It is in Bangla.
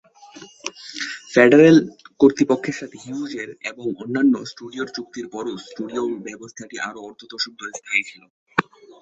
ফেডারেল কর্তৃপক্ষের সাথে হিউজ এর এবং অন্যান্য স্টুডিওর চুক্তির পরও স্টুডিও ব্যবস্থাটি আরও অর্ধ দশক ধরে স্থায়ী ছিল।